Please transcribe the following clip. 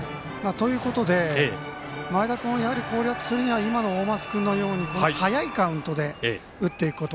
前田君をやはり攻略するには今の大舛君のように早いカウントで打っていくこと。